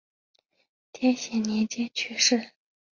天显年间去世。